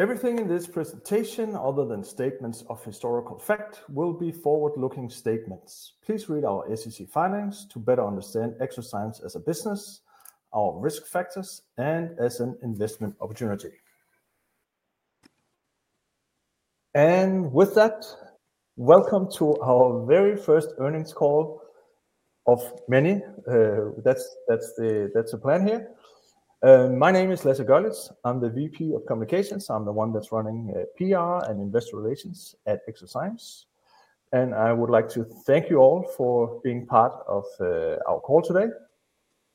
Everything in this presentation, other than statements of historical fact, will be forward-looking statements. Please read our SEC filings to better understand eXoZymes as a business, our risk factors, and as an investment opportunity. With that, welcome to our very first earnings call of many. That is the plan here. My name is Lasse Görlitz. I am the VP of Communications. I am the one that is running PR and investor relations at eXoZymes. I would like to thank you all for being part of our call today.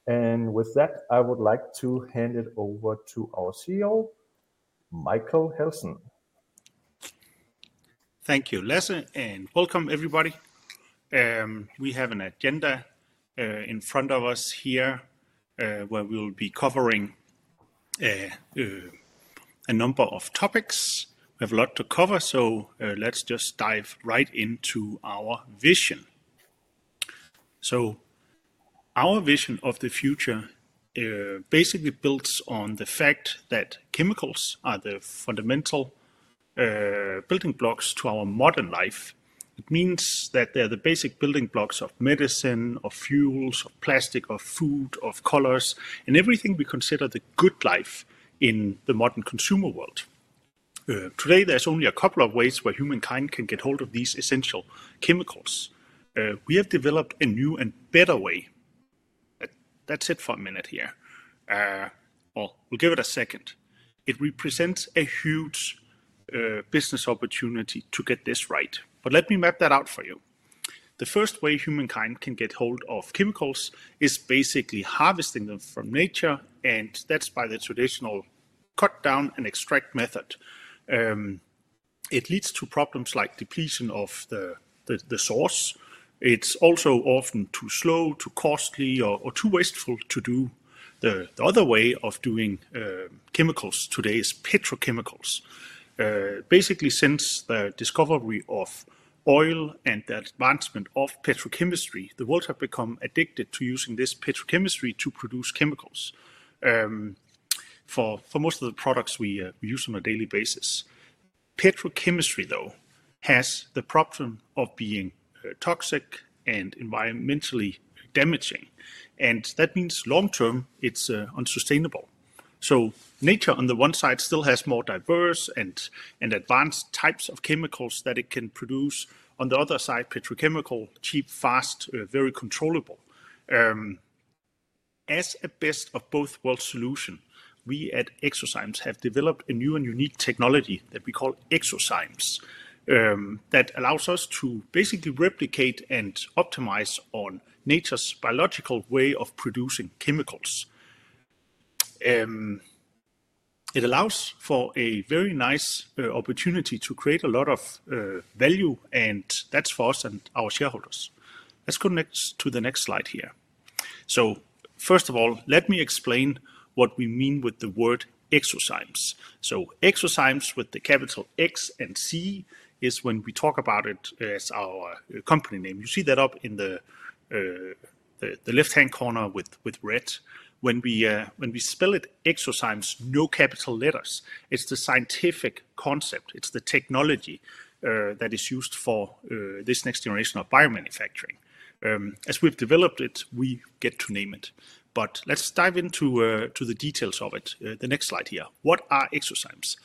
With that, I would like to hand it over to our CEO, Michael Heltzen. Thank you, Lasse, and welcome, everybody. We have an agenda in front of us here where we'll be covering a number of topics. We have a lot to cover, so let's just dive right into our vision. Our vision of the future basically builds on the fact that chemicals are the fundamental building blocks to our modern life. It means that they're the basic building blocks of medicine, of fuels, of plastic, of food, of colors, and everything we consider the good life in the modern consumer world. Today, there's only a couple of ways where humankind can get hold of these essential chemicals. We have developed a new and better way. That's it for a minute here. We'll give it a second. It represents a huge business opportunity to get this right. Let me map that out for you. The first way humankind can get hold of chemicals is basically harvesting them from nature, and that's by the traditional cut-down and extract method. It leads to problems like depletion of the source. It's also often too slow, too costly, or too wasteful to do. The other way of doing chemicals today is petrochemicals. Basically, since the discovery of oil and the advancement of petrochemistry, the world has become addicted to using this petrochemistry to produce chemicals for most of the products we use on a daily basis. Petrochemistry, though, has the problem of being toxic and environmentally damaging. That means long-term, it's unsustainable. Nature, on the one side, still has more diverse and advanced types of chemicals that it can produce. On the other side, petrochemical, cheap, fast, very controllable. As a best-of-both-worlds solution, we at eXoZymes have developed a new and unique technology that we call eXoZymes that allows us to basically replicate and optimize on nature's biological way of producing chemicals. It allows for a very nice opportunity to create a lot of value, and that's for us and our shareholders. Let's connect to the next slide here. First of all, let me explain what we mean with the word eXoZymes. eXoZymes, with the capital X and Z, is when we talk about it as our company name. You see that up in the left-hand corner with red. When we spell it exozymes, no capital letters, it's the scientific concept. It's the technology that is used for this next generation of biomanufacturing. As we've developed it, we get to name it. Let's dive into the details of it. The next slide here. What are exozymes?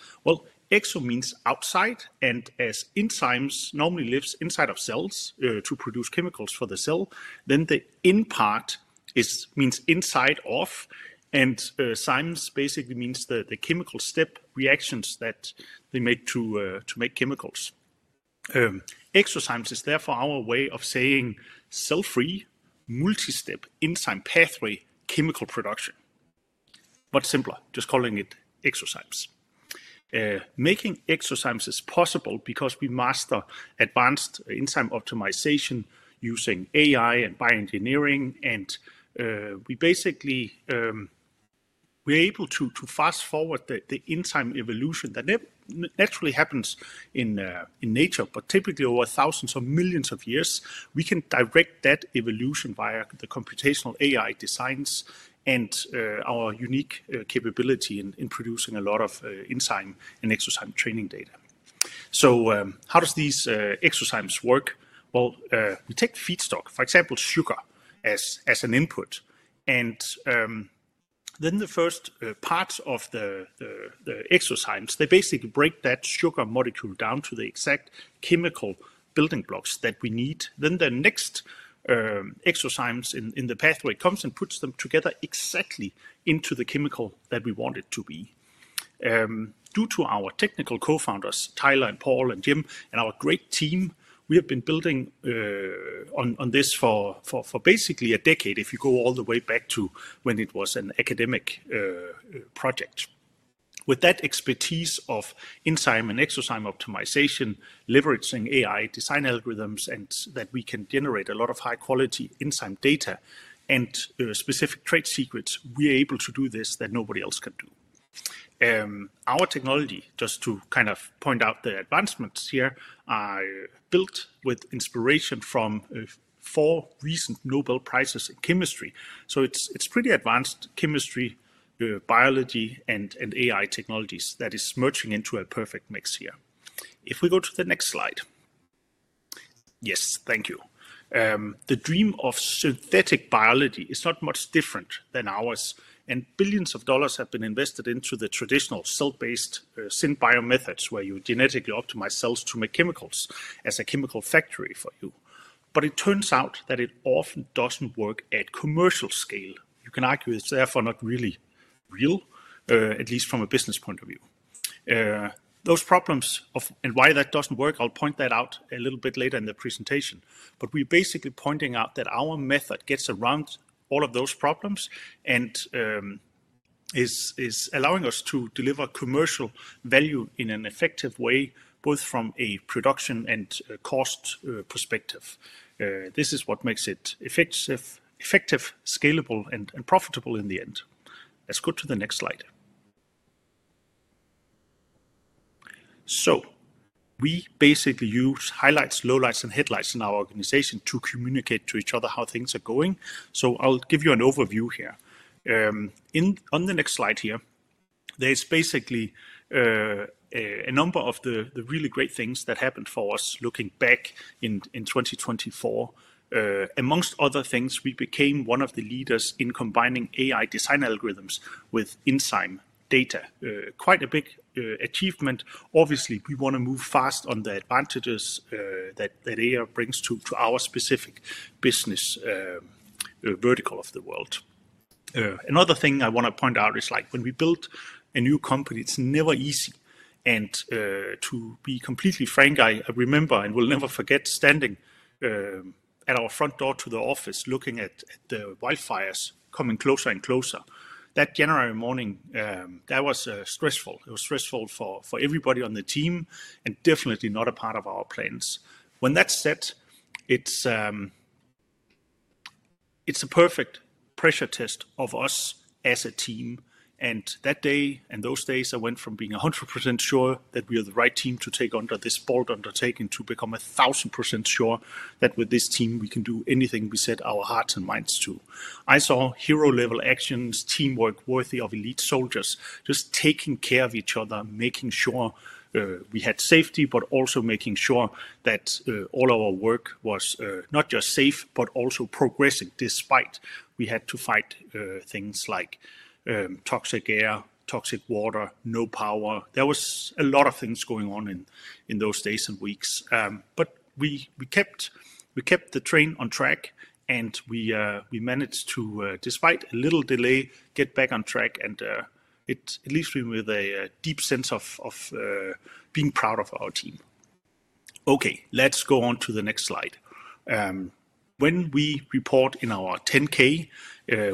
Exo means outside, and as enzymes normally live inside of cells to produce chemicals for the cell, then the in part means inside of, and enzymes basically means the chemical step reactions that they make to make chemicals. eXoZymes is therefore our way of saying cell-free, multi-step, enzyme pathway chemical production. Much simpler, just calling it eXoZymes. Making eXoZymes is possible because we master advanced enzyme optimization using AI and bioengineering, and we basically are able to fast forward the enzyme evolution that naturally happens in nature, but typically over thousands or millions of years. We can direct that evolution via the computational AI designs and our unique capability in producing a lot of enzyme and eXoZymes training data. How do these eXoZymes work? We take feedstock, for example, sugar as an input. The first part of the eXoZymes, they basically break that sugar molecule down to the exact chemical building blocks that we need. The next eXoZymes in the pathway comes and puts them together exactly into the chemical that we want it to be. Due to our technical co-founders, Tyler and Paul and Jim, and our great team, we have been building on this for basically a decade, if you go all the way back to when it was an academic project. With that expertise of enzyme and exozyme optimization, leveraging AI design algorithms, and that we can generate a lot of high-quality enzyme data and specific trade secrets, we are able to do this that nobody else can do. Our technology, just to kind of point out the advancements here, is built with inspiration from four recent Nobel Prizes in chemistry. It is pretty advanced chemistry, biology, and AI technologies that are merging into a perfect mix here. If we go to the next slide. Yes, thank you. The dream of synthetic biology is not much different than ours, and billions of dollars have been invested into the traditional cell-based SynBio methods where you genetically optimize cells to make chemicals as a chemical factory for you. It turns out that it often does not work at commercial scale. You can argue it is therefore not really real, at least from a business point of view. Those problems and why that does not work, I will point that out a little bit later in the presentation. We are basically pointing out that our method gets around all of those problems and is allowing us to deliver commercial value in an effective way, both from a production and cost perspective. This is what makes it effective, scalable, and profitable in the end. Let's go to the next slide. We basically use highlights, lowlights, and headlights in our organization to communicate to each other how things are going. I'll give you an overview here. On the next slide here, there's basically a number of the really great things that happened for us looking back in 2024. Amongst other things, we became one of the leaders in combining AI design algorithms with enzyme data. Quite a big achievement. Obviously, we want to move fast on the advantages that AI brings to our specific business vertical of the world. Another thing I want to point out is when we build a new company, it's never easy. To be completely frank, I remember and will never forget standing at our front door to the office looking at the wildfires coming closer and closer. That January morning, that was stressful. It was stressful for everybody on the team and definitely not a part of our plans. When that is set, it is a perfect pressure test of us as a team. That day and those days, I went from being 100% sure that we are the right team to take on this bold undertaking to become 1,000% sure that with this team, we can do anything we set our hearts and minds to. I saw hero-level actions, teamwork worthy of elite soldiers, just taking care of each other, making sure we had safety, but also making sure that all our work was not just safe, but also progressing despite we had to fight things like toxic air, toxic water, no power. There were a lot of things going on in those days and weeks. We kept the train on track, and we managed to, despite a little delay, get back on track, and it leaves me with a deep sense of being proud of our team. Okay, let's go on to the next slide. When we report in our 10-K,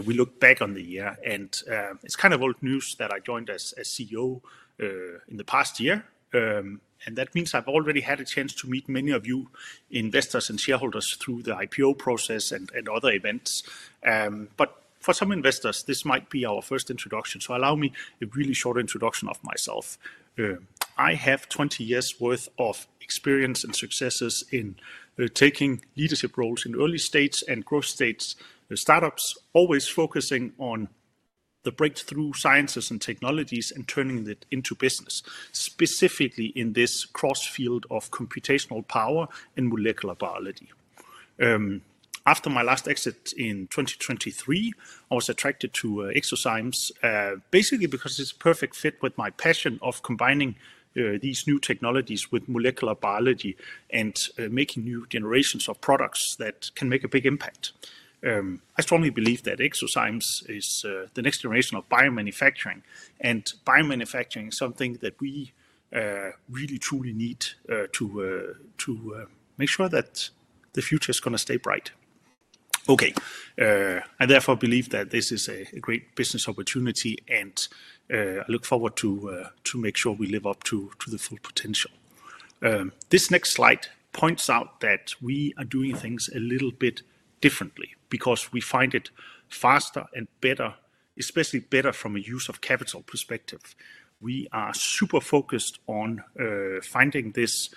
we look back on the year, and it's kind of old news that I joined as CEO in the past year. That means I've already had a chance to meet many of you investors and shareholders through the IPO process and other events. For some investors, this might be our first introduction. Allow me a really short introduction of myself. I have 20 years' worth of experience and successes in taking leadership roles in early stage and growth stage startups, always focusing on the breakthrough sciences and technologies and turning that into business, specifically in this cross-field of computational power and molecular biology. After my last exit in 2023, I was attracted to eXoZymes basically because it's a perfect fit with my passion of combining these new technologies with molecular biology and making new generations of products that can make a big impact. I strongly believe that eXoZymes is the next generation of biomanufacturing, and biomanufacturing is something that we really, truly need to make sure that the future is going to stay bright. Okay, I therefore believe that this is a great business opportunity, and I look forward to make sure we live up to the full potential. This next slide points out that we are doing things a little bit differently because we find it faster and better, especially better from a use of capital perspective. We are super focused on finding this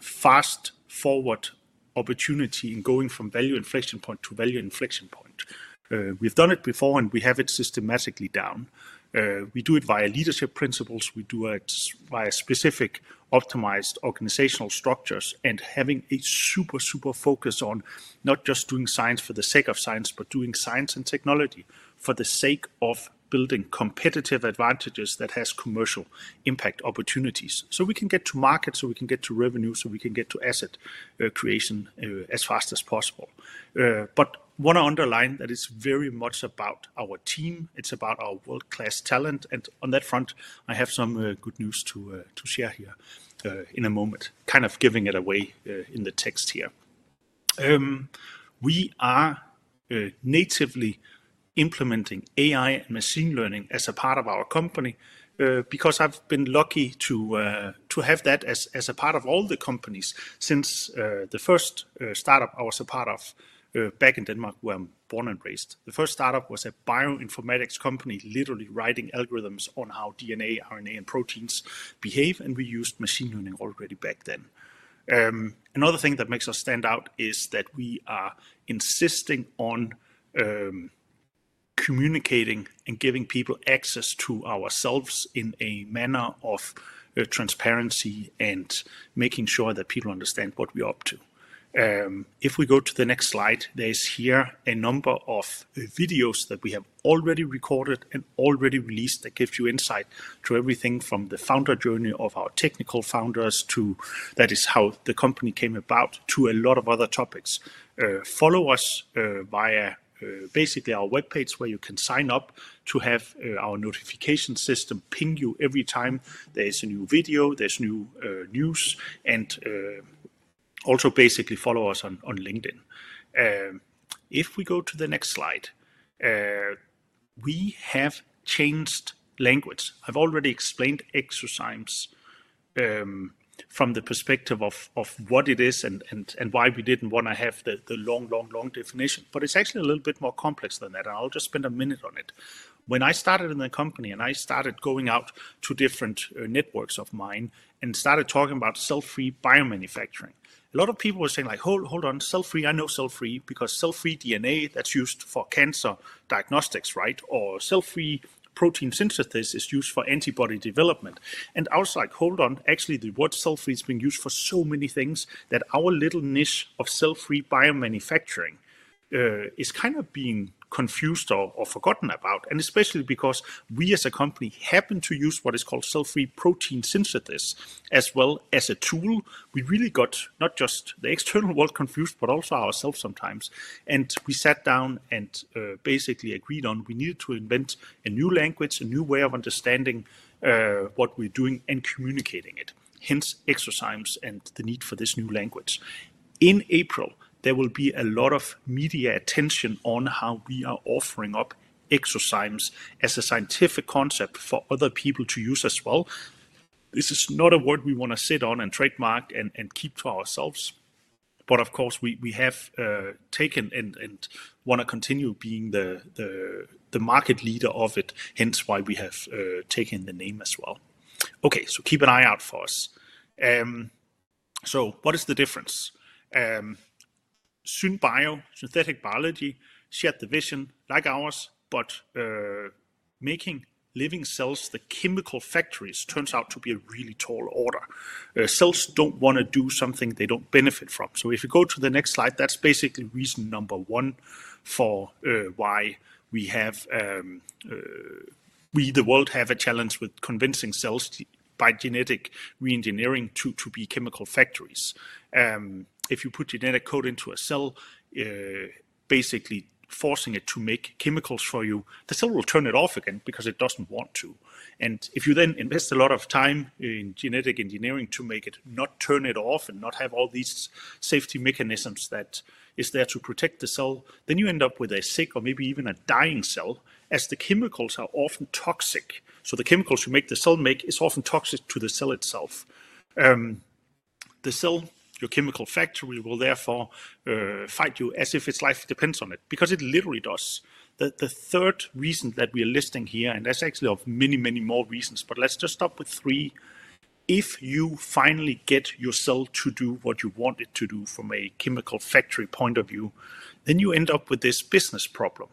fast-forward opportunity in going from value inflection point to value inflection point. We've done it before, and we have it systematically down. We do it via leadership principles. We do it via specific optimized organizational structures and having a super, super focus on not just doing science for the sake of science, but doing science and technology for the sake of building competitive advantages that have commercial impact opportunities so we can get to market, so we can get to revenue, so we can get to asset creation as fast as possible. I want to underline that it's very much about our team. It's about our world-class talent. On that front, I have some good news to share here in a moment, kind of giving it away in the text here. We are natively implementing AI and machine learning as a part of our company because I've been lucky to have that as a part of all the companies since the first startup I was a part of back in Denmark where I'm born and raised. The first startup was a bioinformatics company, literally writing algorithms on how DNA, RNA, and proteins behave, and we used machine learning already back then. Another thing that makes us stand out is that we are insisting on communicating and giving people access to ourselves in a manner of transparency and making sure that people understand what we are up to. If we go to the next slide, there is here a number of videos that we have already recorded and already released that give you insight to everything from the founder journey of our technical founders to that is how the company came about to a lot of other topics. Follow us via basically our webpage where you can sign up to have our notification system ping you every time there is a new video, there is new news, and also basically follow us on LinkedIn. If we go to the next slide, we have changed language. I've already explained eXoZymes from the perspective of what it is and why we didn't want to have the long, long, long definition, but it's actually a little bit more complex than that, and I'll just spend a minute on it. When I started in the company and I started going out to different networks of mine and started talking about cell-free biomanufacturing, a lot of people were saying like, "Hold on, cell-free, I know cell-free because cell-free DNA that's used for cancer diagnostics, right? Cell-free protein synthesis is used for antibody development. I was like, "Hold on, actually the word cell-free is being used for so many things that our little niche of cell-free biomanufacturing is kind of being confused or forgotten about." Especially because we as a company happen to use what is called cell-free protein synthesis as well as a tool, we really got not just the external world confused, but also ourselves sometimes. We sat down and basically agreed on we needed to invent a new language, a new way of understanding what we're doing and communicating it. Hence, eXoZymes and the need for this new language. In April, there will be a lot of media attention on how we are offering up eXoZymes as a scientific concept for other people to use as well. This is not a word we want to sit on and trademark and keep to ourselves. Of course, we have taken and want to continue being the market leader of it, hence why we have taken the name as well. Keep an eye out for us. What is the difference? Synthetic biology shared the vision like ours, but making living cells the chemical factories turns out to be a really tall order. Cells do not want to do something they do not benefit from. If you go to the next slide, that is basically reason number one for why we have the world have a challenge with convincing cells by genetic reengineering to be chemical factories. If you put genetic code into a cell, basically forcing it to make chemicals for you, the cell will turn it off again because it does not want to. If you then invest a lot of time in genetic engineering to make it not turn it off and not have all these safety mechanisms that are there to protect the cell, you end up with a sick or maybe even a dying cell as the chemicals are often toxic. The chemicals you make the cell make are often toxic to the cell itself. The cell, your chemical factory, will therefore fight you as if its life depends on it because it literally does. The third reason that we are listing here, and there are actually many, many more reasons, but let's just stop with three. If you finally get your cell to do what you want it to do from a chemical factory point of view, then you end up with this business problem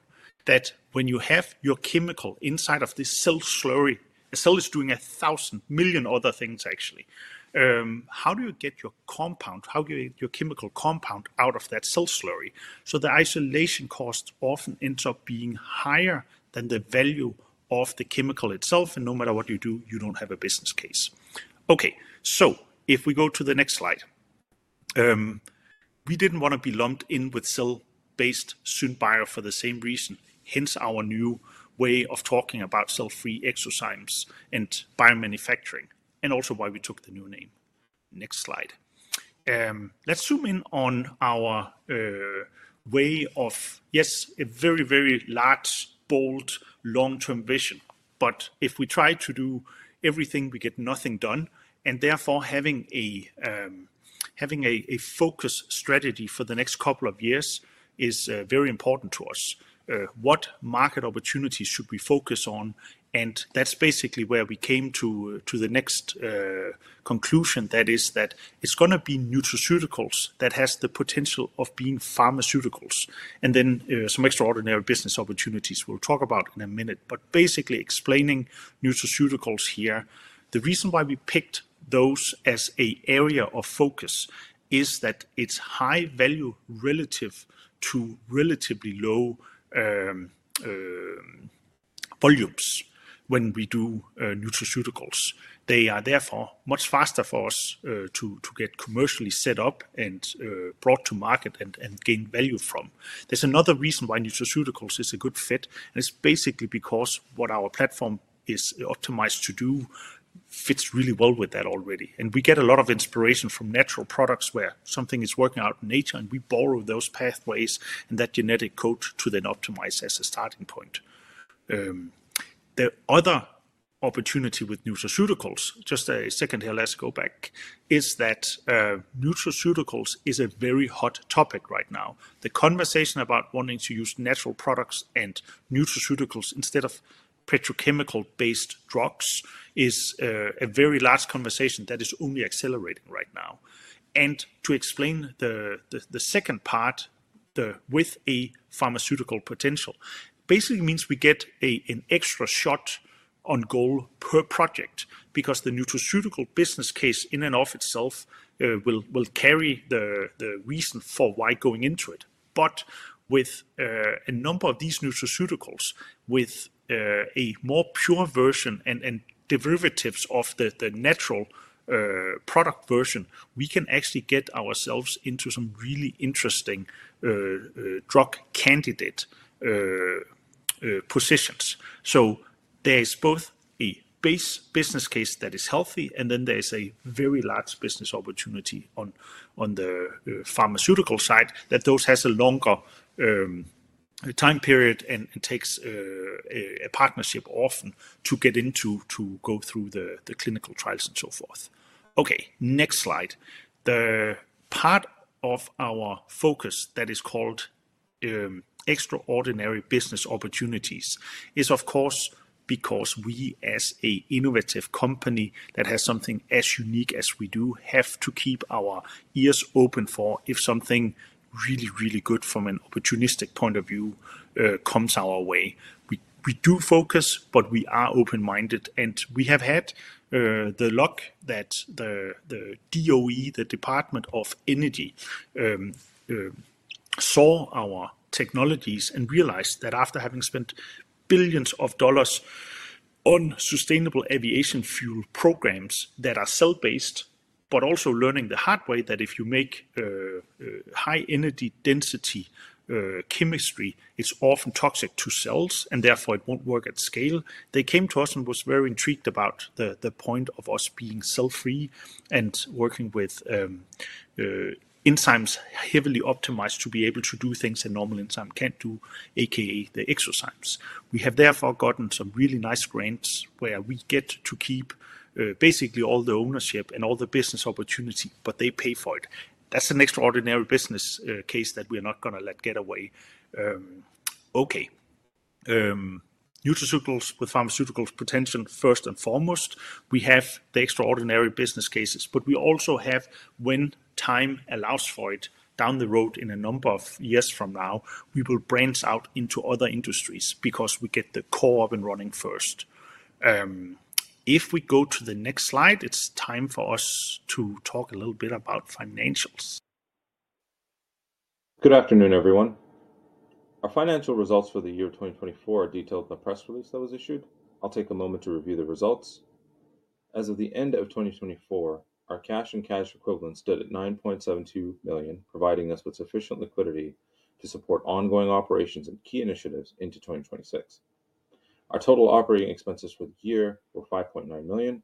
that when you have your chemical inside of this cell slurry, the cell is doing a thousand million other things, actually. How do you get your chemical compound out of that cell slurry? The isolation cost often ends up being higher than the value of the chemical itself, and no matter what you do, you do not have a business case. Okay, if we go to the next slide, we did not want to be lumped in with cell-based SynBio for the same reason, hence our new way of talking about cell-free exozymes and biomanufacturing, and also why we took the new name. Next slide. Let's zoom in on our way of, yes, a very, very large, bold, long-term vision. If we try to do everything, we get nothing done. Therefore, having a focus strategy for the next couple of years is very important to us. What market opportunities should we focus on? That's basically where we came to the next conclusion, that is that it's going to be nutraceuticals that have the potential of being pharmaceuticals. Some extraordinary business opportunities we'll talk about in a minute. Basically explaining nutraceuticals here, the reason why we picked those as an area of focus is that it's high value relative to relatively low volumes when we do nutraceuticals. They are therefore much faster for us to get commercially set up and brought to market and gain value from. There's another reason why nutraceuticals is a good fit, and it's basically because what our platform is optimized to do fits really well with that already. We get a lot of inspiration from natural products where something is working out in nature, and we borrow those pathways and that genetic code to then optimize as a starting point. The other opportunity with nutraceuticals, just a second here, let's go back, is that nutraceuticals is a very hot topic right now. The conversation about wanting to use natural products and nutraceuticals instead of petrochemical-based drugs is a very large conversation that is only accelerating right now. To explain the second part, the with a pharmaceutical potential basically means we get an extra shot on goal per project because the nutraceutical business case in and of itself will carry the reason for why going into it. With a number of these nutraceuticals, with a more pure version and derivatives of the natural product version, we can actually get ourselves into some really interesting drug candidate positions. There is both a base business case that is healthy, and then there is a very large business opportunity on the pharmaceutical side. Those have a longer time period and take a partnership often to get into to go through the clinical trials and so forth. Okay, next slide. The part of our focus that is called extraordinary business opportunities is, of course, because we as an innovative company that has something as unique as we do have to keep our ears open for if something really, really good from an opportunistic point of view comes our way. We do focus, but we are open-minded, and we have had the luck that the DOE, the Department of Energy, saw our technologies and realized that after having spent billions of dollars on sustainable aviation fuel programs that are cell-based, but also learning the hard way that if you make high energy density chemistry, it's often toxic to cells and therefore it won't work at scale. They came to us and were very intrigued about the point of us being cell-free and working with enzymes heavily optimized to be able to do things that normal enzymes can't do, a.k.a. the eXoZymes. We have therefore gotten some really nice grants where we get to keep basically all the ownership and all the business opportunity, but they pay for it. That's an extraordinary business case that we are not going to let get away. Okay, nutraceuticals with pharmaceuticals potential, first and foremost, we have the extraordinary business cases, but we also have, when time allows for it, down the road in a number of years from now, we will branch out into other industries because we get the core up and running first. If we go to the next slide, it's time for us to talk a little bit about financials. Good afternoon, everyone. Our financial results for the year 2024 are detailed in the press release that was issued. I'll take a moment to review the results. As of the end of 2024, our cash and cash equivalents stood at $9.72 million, providing us with sufficient liquidity to support ongoing operations and key initiatives into 2026. Our total operating expenses for the year were $5.9 million.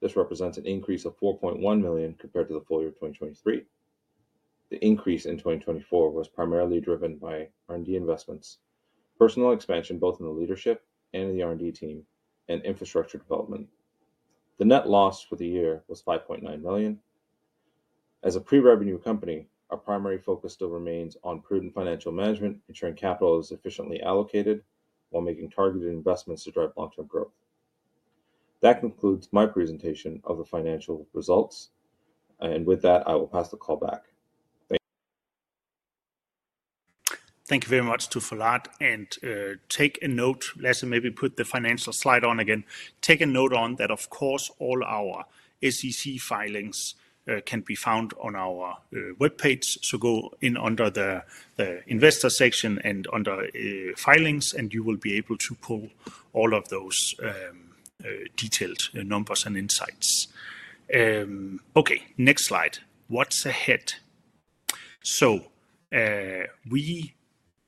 This represents an increase of $4.1 million compared to the full year of 2023. The increase in 2024 was primarily driven by R&D investments, personnel expansion both in the leadership and in the R&D team, and infrastructure development. The net loss for the year was $5.9 million. As a pre-revenue company, our primary focus still remains on prudent financial management, ensuring capital is efficiently allocated while making targeted investments to drive long-term growth. That concludes my presentation of the financial results. I will pass the call back. Thank you. Thank you very much to Fouad and take a note. Lasse, maybe put the financial slide on again. Take a note on that, of course, all our SEC filings can be found on our webpage. Go in under the investor section and under filings, and you will be able to pull all of those detailed numbers and insights. Next slide. What's ahead? We,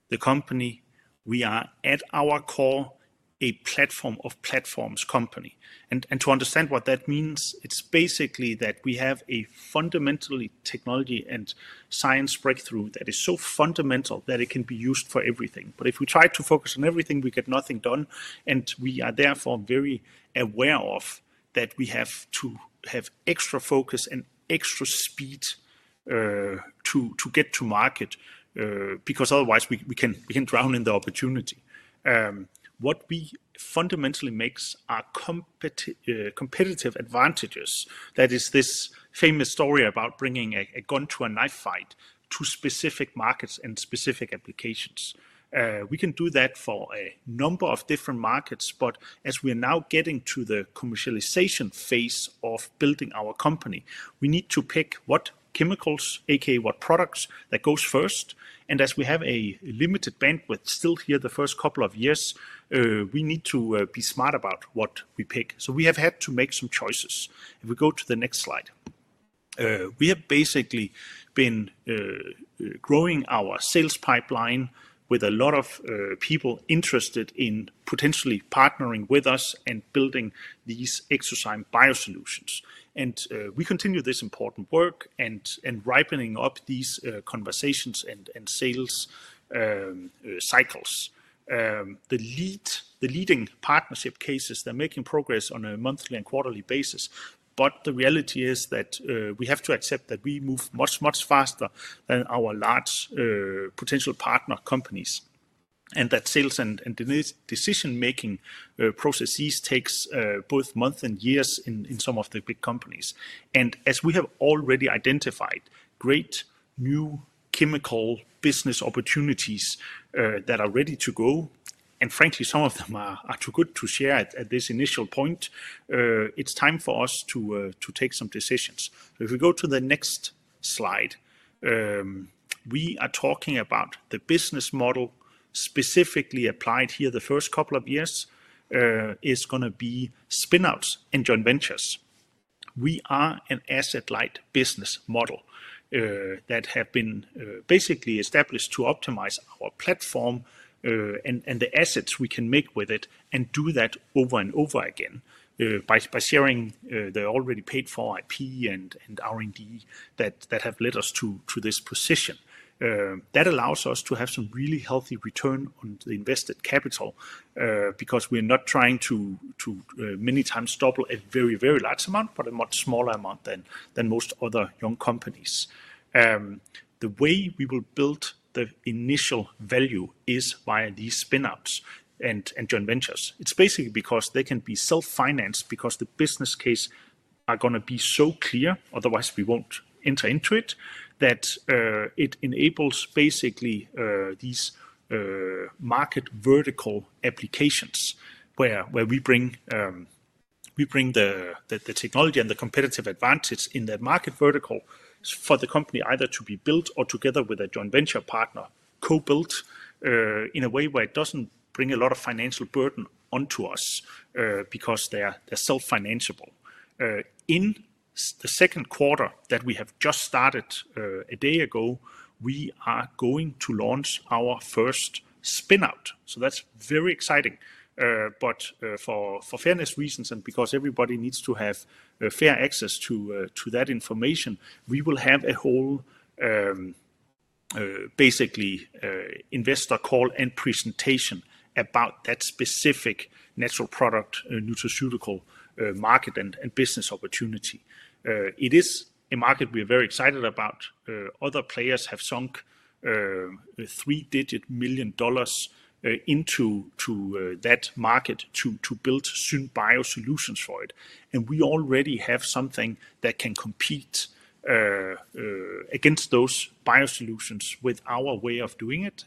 the company, we are at our core, a platform of platforms company. To understand what that means, it's basically that we have a fundamentally technology and science breakthrough that is so fundamental that it can be used for everything. If we try to focus on everything, we get nothing done. We are therefore very aware that we have to have extra focus and extra speed to get to market because otherwise we can drown in the opportunity. What we fundamentally make are competitive advantages. That is this famous story about bringing a gun to a knife fight to specific markets and specific applications. We can do that for a number of different markets, but as we are now getting to the commercialization phase of building our company, we need to pick what chemicals, a.k.a. what products that go first. As we have a limited bandwidth still here the first couple of years, we need to be smart about what we pick. We have had to make some choices. If we go to the next slide, we have basically been growing our sales pipeline with a lot of people interested in potentially partnering with us and building these eXoZymes biosolutions. We continue this important work and ripening up these conversations and sales cycles. The leading partnership cases, they're making progress on a monthly and quarterly basis. The reality is that we have to accept that we move much, much faster than our large potential partner companies. Sales and decision-making processes take both months and years in some of the big companies. As we have already identified great new chemical business opportunities that are ready to go, and frankly, some of them are too good to share at this initial point, it's time for us to take some decisions. If we go to the next slide, we are talking about the business model specifically applied here. The first couple of years is going to be spin-outs and joint ventures. We are an asset-light business model that has been basically established to optimize our platform and the assets we can make with it and do that over and over again by sharing the already paid-for IP and R&D that have led us to this position. That allows us to have some really healthy return on the invested capital because we are not trying to many times double a very, very large amount, but a much smaller amount than most other young companies. The way we will build the initial value is via these spin-outs and joint ventures. It's basically because they can be self-financed because the business cases are going to be so clear, otherwise we won't enter into it, that it enables basically these market vertical applications where we bring the technology and the competitive advantage in that market vertical for the company either to be built or together with a joint venture partner, co-built in a way where it doesn't bring a lot of financial burden onto us because they're self-financiable. In the second quarter that we have just started a day ago, we are going to launch our first spin-out. That is very exciting. For fairness reasons and because everybody needs to have fair access to that information, we will have a whole basically investor call and presentation about that specific natural product nutraceutical market and business opportunity. It is a market we are very excited about. Other players have sunk three-digit million dollars into that market to build synbio solutions for it. We already have something that can compete against those biosolutions with our way of doing it.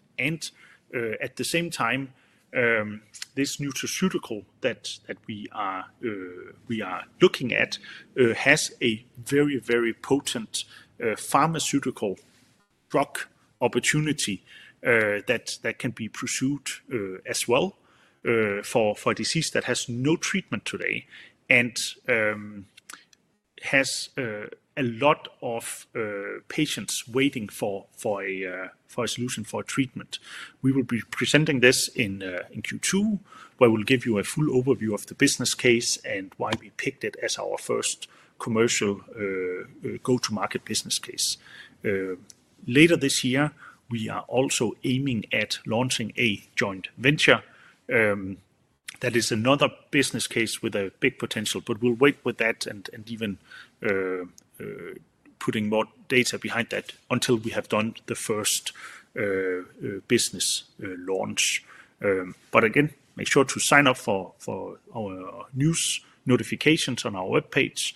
At the same time, this nutraceutical that we are looking at has a very, very potent pharmaceutical drug opportunity that can be pursued as well for a disease that has no treatment today and has a lot of patients waiting for a solution for treatment. We will be presenting this in Q2, where we'll give you a full overview of the business case and why we picked it as our first commercial go-to-market business case. Later this year, we are also aiming at launching a joint venture. That is another business case with a big potential, but we'll wait with that and even putting more data behind that until we have done the first business launch. Make sure to sign up for our news notifications on our webpage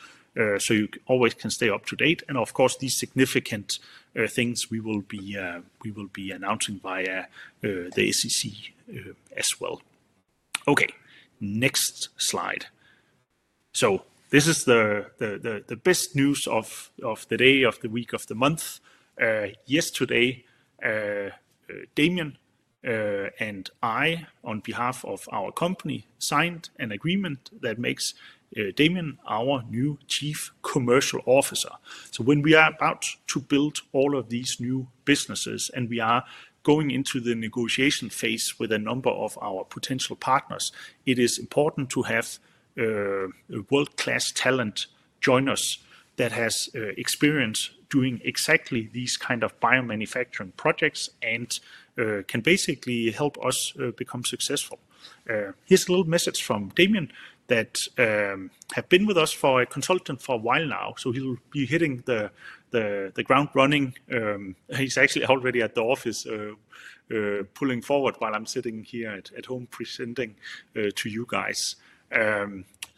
so you always can stay up to date. Of course, these significant things we will be announcing via the SEC as well. Next slide. This is the best news of the day, of the week, of the month. Yesterday, Damien and I, on behalf of our company, signed an agreement that makes Damien our new Chief Commercial Officer. When we are about to build all of these new businesses and we are going into the negotiation phase with a number of our potential partners, it is important to have world-class talent join us that has experience doing exactly these kinds of biomanufacturing projects and can basically help us become successful. Here's a little message from Damien that has been with us as a consultant for a while now. He'll be hitting the ground running. He's actually already at the office pulling forward while I'm sitting here at home presenting to you guys.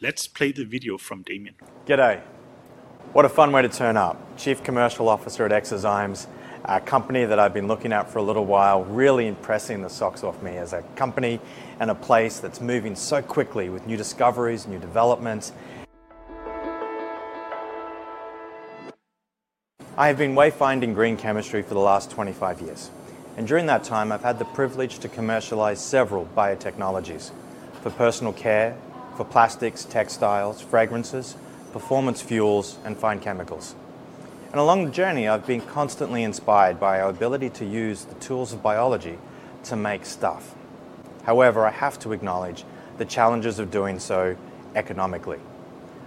Let's play the video from Damien. Good day. What a fun way to turn up. Chief Commercial Officer at eXoZymes, a company that I've been looking at for a little while, really impressing the socks off me as a company and a place that's moving so quickly with new discoveries, new developments. I have been wayfinding green chemistry for the last 25 years. During that time, I've had the privilege to commercialize several biotechnologies for personal care, for plastics, textiles, fragrances, performance fuels, and fine chemicals. Along the journey, I've been constantly inspired by our ability to use the tools of biology to make stuff. However, I have to acknowledge the challenges of doing so economically.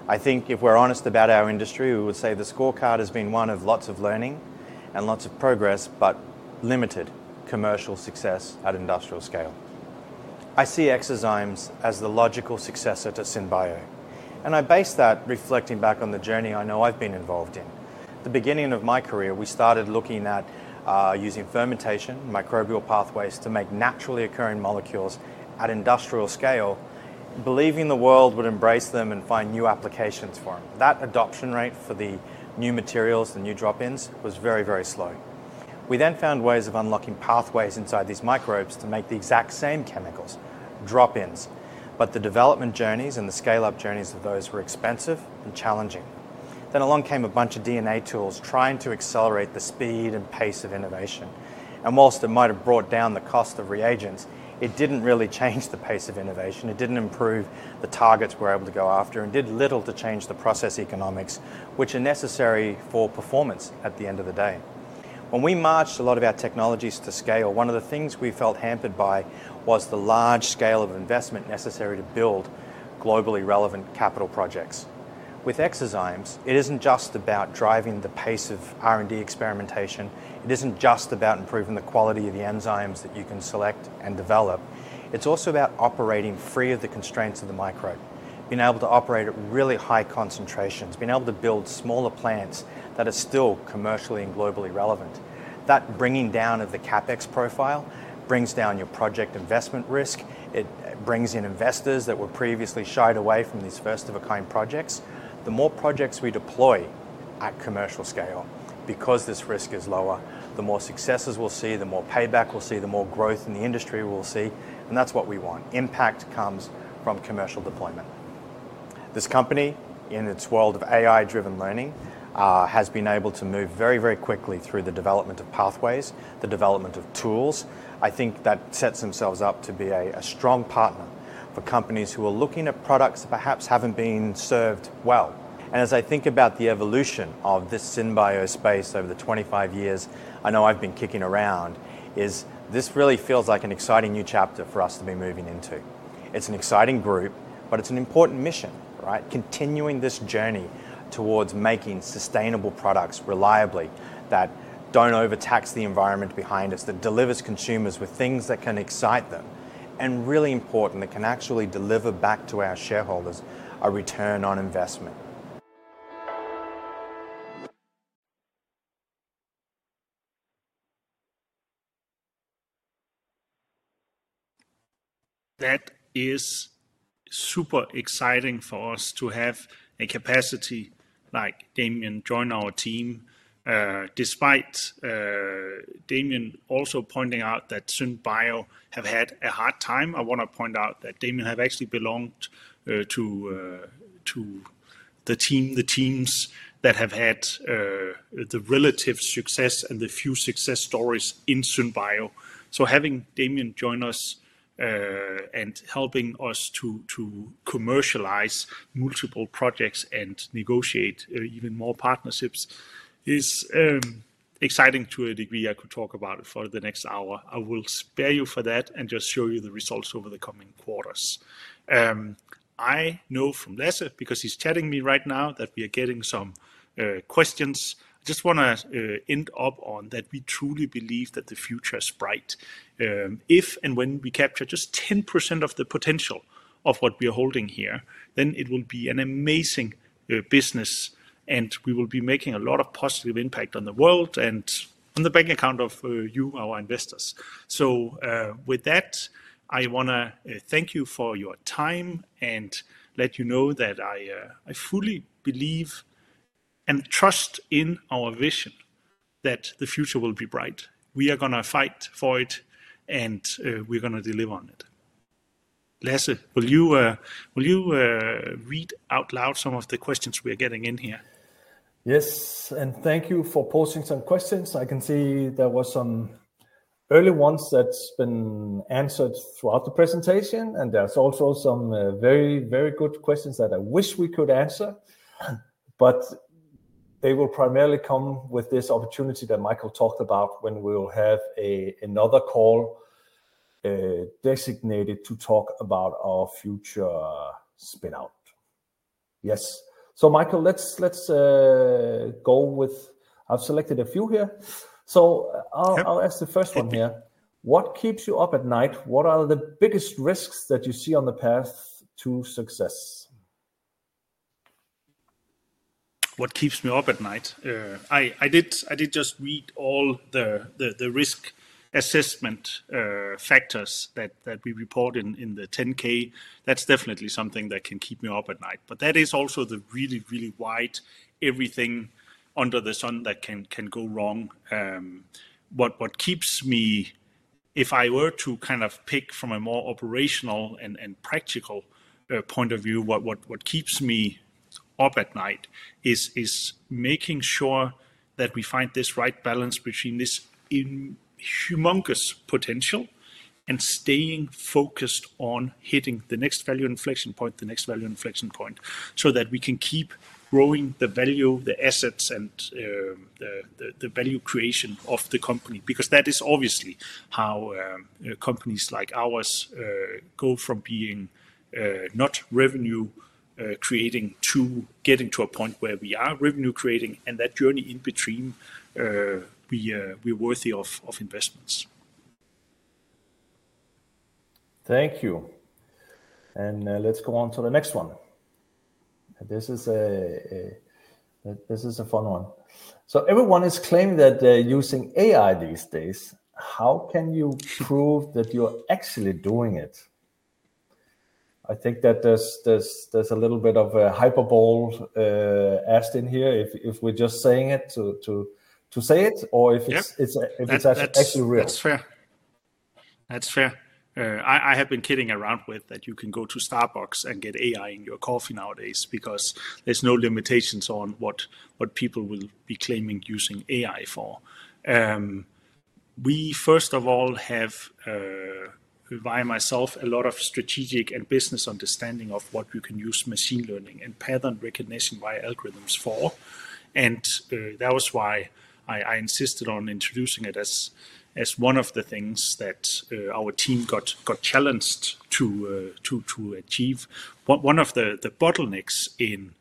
I think if we're honest about our industry, we would say the scorecard has been one of lots of learning and lots of progress, but limited commercial success at industrial scale. I see eXoZymes as the logical successor to SynBio. I base that reflecting back on the journey I know I've been involved in. At the beginning of my career, we started looking at using fermentation, microbial pathways to make naturally occurring molecules at industrial scale, believing the world would embrace them and find new applications for them. That adoption rate for the new materials, the new drop-ins, was very, very slow. We then found ways of unlocking pathways inside these microbes to make the exact same chemicals, drop-ins. The development journeys and the scale-up journeys of those were expensive and challenging. Along came a bunch of DNA tools trying to accelerate the speed and pace of innovation. Whilst it might have brought down the cost of reagents, it did not really change the pace of innovation. It did not improve the targets we were able to go after and did little to change the process economics, which are necessary for performance at the end of the day. When we marched a lot of our technologies to scale, one of the things we felt hampered by was the large scale of investment necessary to build globally relevant capital projects. With eXoZymes, it isn't just about driving the pace of R&D experimentation. It isn't just about improving the quality of the enzymes that you can select and develop. It's also about operating free of the constraints of the microbe, being able to operate at really high concentrations, being able to build smaller plants that are still commercially and globally relevant. That bringing down of the CapEx profile brings down your project investment risk. It brings in investors that were previously shied away from these first-of-a-kind projects. The more projects we deploy at commercial scale, because this risk is lower, the more successes we'll see, the more payback we'll see, the more growth in the industry we'll see. That's what we want. Impact comes from commercial deployment. This company, in its world of AI-driven learning, has been able to move very, very quickly through the development of pathways, the development of tools. I think that sets themselves up to be a strong partner for companies who are looking at products that perhaps haven't been served well. As I think about the evolution of this SynBio space over the 25 years I know I've been kicking around, this really feels like an exciting new chapter for us to be moving into. It's an exciting group, but it's an important mission, right? Continuing this journey towards making sustainable products reliably that don't overtax the environment behind us, that delivers consumers with things that can excite them, and really important that can actually deliver back to our shareholders a return on investment. That is super exciting for us to have a capacity like Damien join our team. Despite Damien also pointing out that SynBio have had a hard time, I want to point out that Damien have actually belonged to the team, the teams that have had the relative success and the few success stories in SynBio. Having Damien join us and helping us to commercialize multiple projects and negotiate even more partnerships is exciting to a degree. I could talk about it for the next hour. I will spare you for that and just show you the results over the coming quarters. I know from Lasse, because he's chatting me right now, that we are getting some questions. I just want to end up on that we truly believe that the future is bright. If and when we capture just 10% of the potential of what we are holding here, it will be an amazing business, and we will be making a lot of positive impact on the world and on the bank account of you, our investors. With that, I want to thank you for your time and let you know that I fully believe and trust in our vision that the future will be bright. We are going to fight for it, and we're going to deliver on it. Lasse, will you read out loud some of the questions we are getting in here? Yes, and thank you for posting some questions. I can see there were some early ones that have been answered throughout the presentation, and there are also some very, very good questions that I wish we could answer. They will primarily come with this opportunity that Michael talked about when we will have another call designated to talk about our future spin-out. Yes. Michael, let's go with I've selected a few here. I'll ask the first one here. What keeps you up at night? What are the biggest risks that you see on the path to success? What keeps me up at night? I did just read all the risk assessment factors that we report in the 10-K. That's definitely something that can keep me up at night. That is also the really, really wide everything under the sun that can go wrong. What keeps me, if I were to kind of pick from a more operational and practical point of view, what keeps me up at night is making sure that we find this right balance between this humongous potential and staying focused on hitting the next value inflection point, the next value inflection point, so that we can keep growing the value, the assets, and the value creation of the company. Because that is obviously how companies like ours go from being not revenue-creating to getting to a point where we are revenue-creating, and that journey in between, we are worthy of investments. Thank you. Let's go on to the next one. This is a fun one. Everyone is claiming that they're using AI these days. How can you prove that you're actually doing it? I think that there's a little bit of a hyperbole asked in here if we're just saying it to say it or if it's actually real. That's fair. That's fair. I have been kidding around with that you can go to Starbucks and get AI in your coffee nowadays because there's no limitations on what people will be claiming using AI for. We, first of all, have, by myself, a lot of strategic and business understanding of what we can use machine learning and pattern recognition via algorithms for. That was why I insisted on introducing it as one of the things that our team got challenged to achieve. One of the bottlenecks in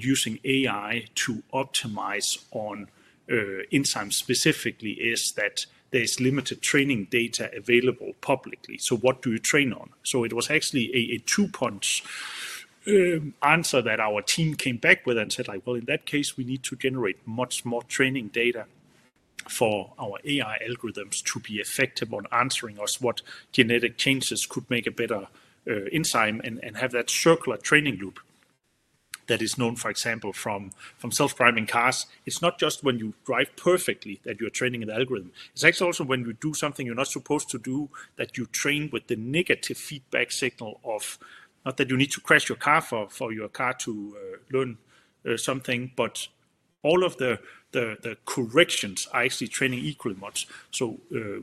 using AI to optimize on enzymes specifically is that there's limited training data available publicly. What do you train on? It was actually a two-point answer that our team came back with and said, "Well, in that case, we need to generate much more training data for our AI algorithms to be effective on answering us what genetic changes could make a better enzyme and have that circular training loop." That is known, for example, from self-driving cars. It's not just when you drive perfectly that you're training an algorithm. It's actually also when you do something you're not supposed to do that you train with the negative feedback signal of not that you need to crash your car for your car to learn something, but all of the corrections are actually training equally much.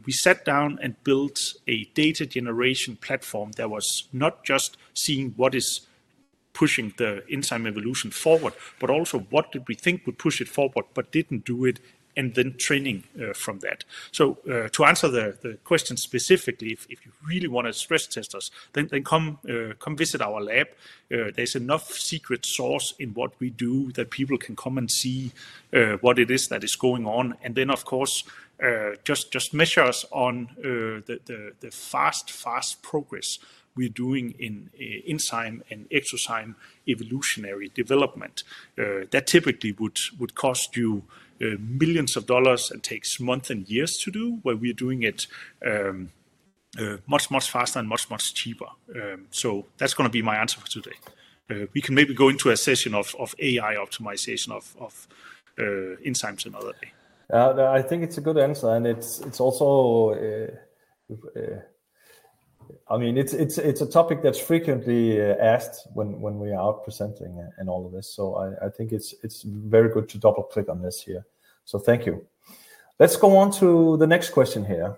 We sat down and built a data generation platform that was not just seeing what is pushing the enzyme evolution forward, but also what did we think would push it forward but did not do it, and then training from that. To answer the question specifically, if you really want to stress test us, then come visit our lab. There is enough secret sauce in what we do that people can come and see what it is that is going on. Of course, just measure us on the fast, fast progress we are doing in enzyme and exozyme evolutionary development. That typically would cost you millions of dollars and takes months and years to do, where we are doing it much, much faster and much, much cheaper. That is going to be my answer for today. We can maybe go into a session of AI optimization of enzymes another day. I think it's a good answer. And it's also, I mean, it's a topic that's frequently asked when we are out presenting and all of this. I think it's very good to double-click on this here. Thank you. Let's go on to the next question here.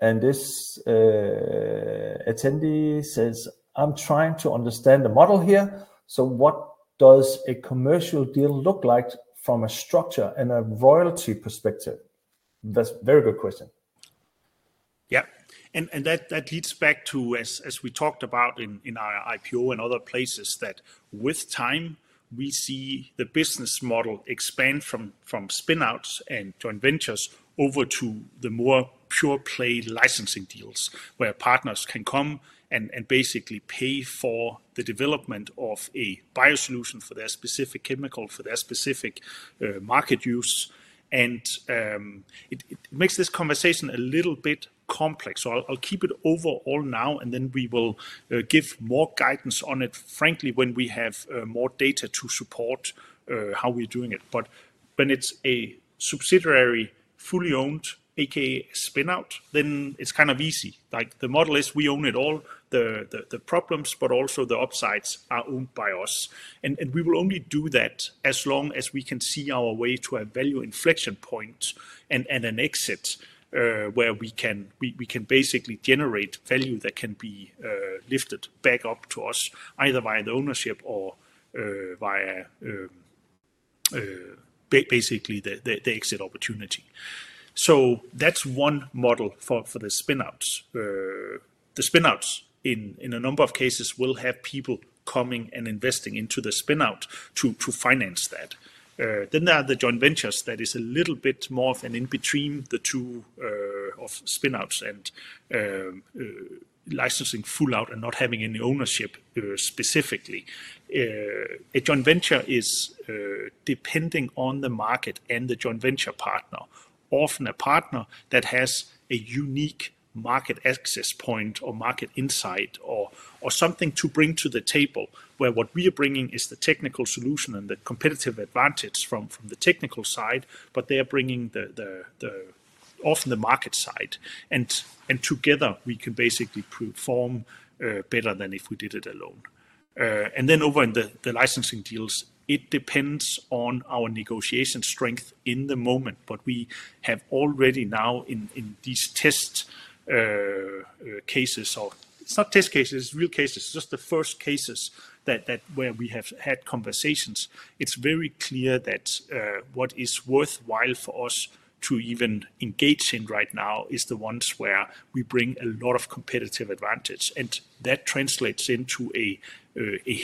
This attendee says, "I'm trying to understand the model here. What does a commercial deal look like from a structure and a royalty perspective?" That's a very good question. Yeah. That leads back to, as we talked about in our IPO and other places, that with time, we see the business model expand from spin-outs and joint ventures over to the more pure-play licensing deals where partners can come and basically pay for the development of a biosolution for their specific chemical, for their specific market use. It makes this conversation a little bit complex. I'll keep it overall now, and then we will give more guidance on it, frankly, when we have more data to support how we're doing it. When it's a subsidiary fully owned, a.k.a. spin-out, then it's kind of easy. The model is we own it all, the problems, but also the upsides are owned by us. We will only do that as long as we can see our way to a value inflection point and an exit where we can basically generate value that can be lifted back up to us either via the ownership or via basically the exit opportunity. That's one model for the spin-outs. The spin-outs, in a number of cases, will have people coming and investing into the spin-out to finance that. There are the joint ventures that is a little bit more of an in-between the two of spin-outs and licensing full out and not having any ownership specifically. A joint venture is depending on the market and the joint venture partner, often a partner that has a unique market access point or market insight or something to bring to the table where what we are bringing is the technical solution and the competitive advantage from the technical side, but they are bringing often the market side. Together, we can basically perform better than if we did it alone. Over in the licensing deals, it depends on our negotiation strength in the moment. We have already now in these test cases, or it's not test cases, it's real cases, just the first cases where we have had conversations, it's very clear that what is worthwhile for us to even engage in right now is the ones where we bring a lot of competitive advantage. That translates into a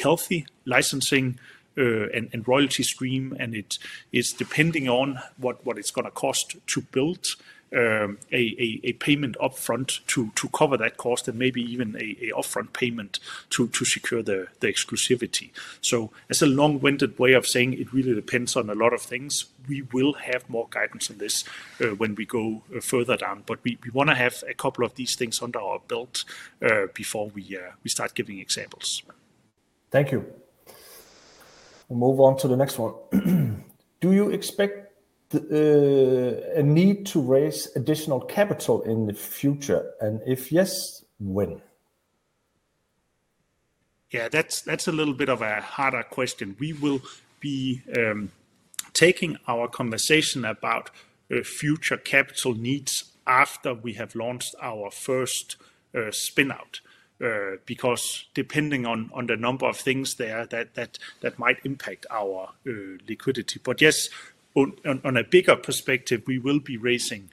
healthy licensing and royalty stream. It's depending on what it's going to cost to build a payment upfront to cover that cost and maybe even an upfront payment to secure the exclusivity. It's a long-winded way of saying it really depends on a lot of things. We will have more guidance on this when we go further down. We want to have a couple of these things under our belt before we start giving examples. Thank you. We'll move on to the next one. Do you expect a need to raise additional capital in the future? If yes, when? Yeah, that's a little bit of a harder question. We will be taking our conversation about future capital needs after we have launched our first spin-out because depending on the number of things there that might impact our liquidity. Yes, on a bigger perspective, we will be raising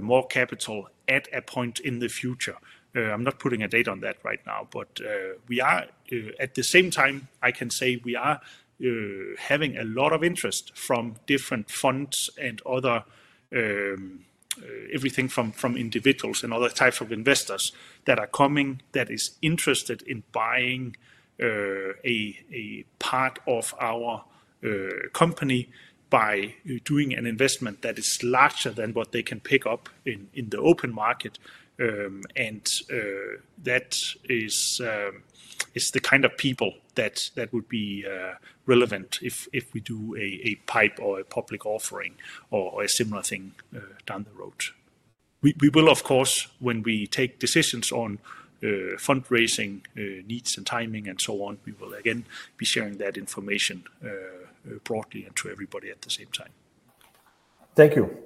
more capital at a point in the future. I'm not putting a date on that right now, but we are, at the same time, I can say we are having a lot of interest from different funds and everything from individuals and other types of investors that are coming that is interested in buying a part of our company by doing an investment that is larger than what they can pick up in the open market. That is the kind of people that would be relevant if we do a PIPE or a public offering or a similar thing down the road. We will, of course, when we take decisions on fundraising needs and timing and so on, again be sharing that information broadly and to everybody at the same time. Thank you.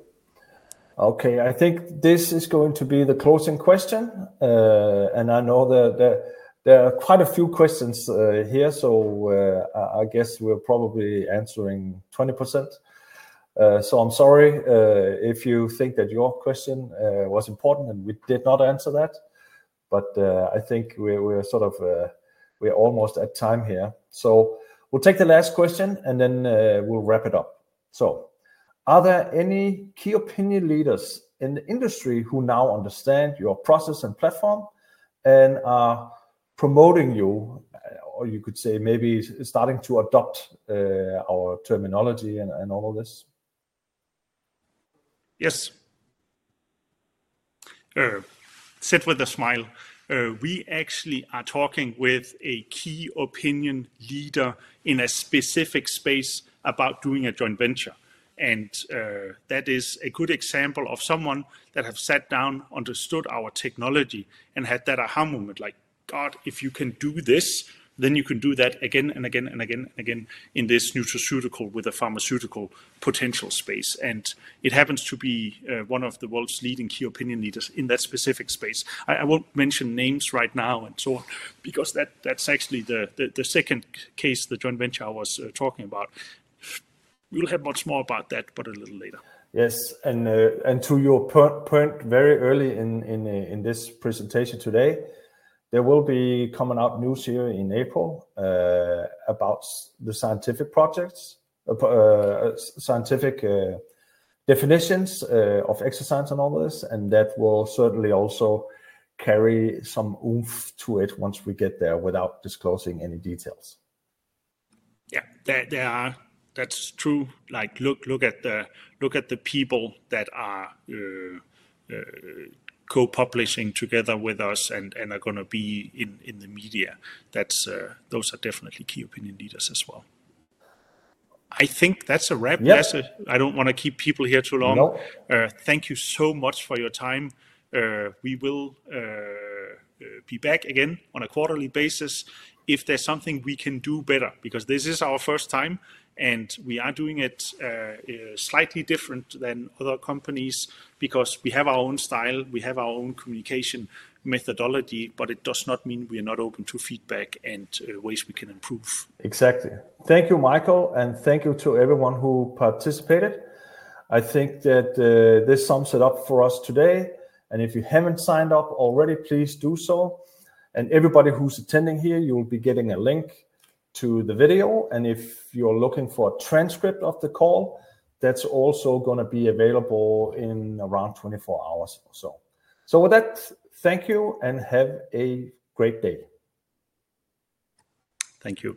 Okay. I think this is going to be the closing question. I know that there are quite a few questions here, so I guess we're probably answering 20%. I'm sorry if you think that your question was important and we did not answer that. I think we're almost at time here. We'll take the last question, and then we'll wrap it up. Are there any key opinion leaders in the industry who now understand your process and platform and are promoting you, or you could say maybe starting to adopt our terminology and all of this? Yes. Said with a smile, we actually are talking with a key opinion leader in a specific space about doing a joint venture. That is a good example of someone that has sat down, understood our technology, and had that aha moment, like, "God, if you can do this, then you can do that again and again and again and again in this nutraceutical with a pharmaceutical potential space." It happens to be one of the world's leading key opinion leaders in that specific space. I won't mention names right now and so on because that's actually the second case, the joint venture I was talking about. We'll have much more about that, but a little later. Yes. To your point, very early in this presentation today, there will be coming out news here in April about the scientific projects, scientific definitions of eXoZymes and all this. That will certainly also carry some oomph to it once we get there without disclosing any details. Yeah, that's true. Look at the people that are co-publishing together with us and are going to be in the media. Those are definitely key opinion leaders as well. I think that's a wrap. I don't want to keep people here too long. Thank you so much for your time. We will be back again on a quarterly basis if there's something we can do better because this is our first time, and we are doing it slightly different than other companies because we have our own style, we have our own communication methodology, but it does not mean we are not open to feedback and ways we can improve. Exactly. Thank you, Michael, and thank you to everyone who participated. I think that this sums it up for us today. If you haven't signed up already, please do so. Everybody who's attending here, you will be getting a link to the video. If you're looking for a transcript of the call, that's also going to be available in around 24 hours or so. With that, thank you and have a great day. Thank you.